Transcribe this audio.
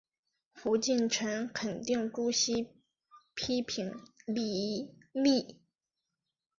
胡晋臣肯定朱熹批评林栗。